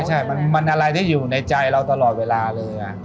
ใช่มันอะไรที่อยู่ในใจเราตลอดเวลาเลย